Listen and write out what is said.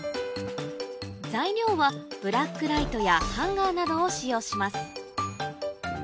材料はブラックライトやハンガーなどを使用します